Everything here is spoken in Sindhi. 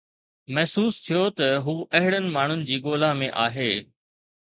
محسوس ٿيو ته هو اهڙن ماڻهن جي ڳولا ۾ آهي